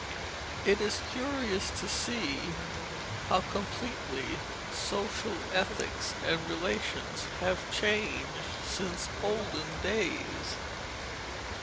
It is curious to see how completely social ethics and relations have changed since olden days.